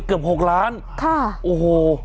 เกือบ๖ล้านโอ้โห